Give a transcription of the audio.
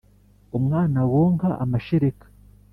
umwana wonka amashereka